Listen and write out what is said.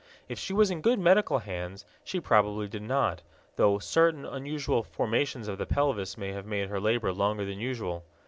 If she was in good medical hands, she probably did not, though certain unusual formations of the pelvis may have made her labor longer than usual.